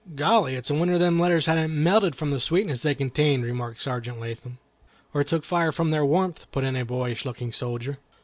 "Golly! it's a wonder them letters hadn't melted from the sweetness they contained," remarked Sergeant Latham. "Or took fire from their warmth," put in a boyish looking soldier.